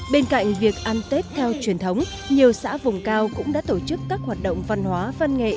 bên cạnh việc ăn tết theo truyền thống nhiều xã vùng cao cũng đã tổ chức các hoạt động văn hóa văn nghệ